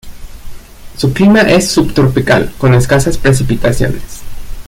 Su clima es subtropical, con escasas precipitaciones.